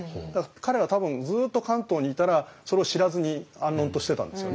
彼は多分ずっと関東にいたらそれを知らずに安穏としてたんですよね。